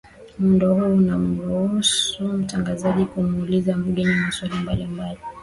muundo huu unamruhusu mtangazaji kumuuliza mgeni maswali mbalimbali